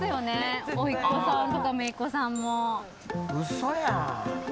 嘘やん。